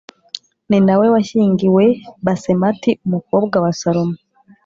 ni na we washyingiwe Basemati umukobwa wa Salomo